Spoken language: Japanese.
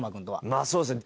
まあそうですね。